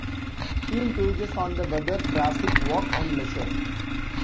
Theme pages on the weather, traffic, work and leisure.